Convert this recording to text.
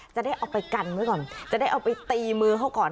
จะได้เอาไปกันไว้ก่อนจะได้เอาไปตีมือเขาก่อน